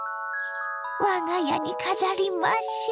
我が家に飾りましょ。